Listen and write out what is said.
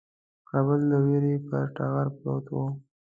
کابل د ویر پر ټغر پروت وو.